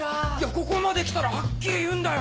ここまで来たらはっきり言うんだよ！